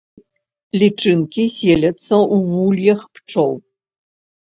Лічынкі селяцца ў вуллях пчол.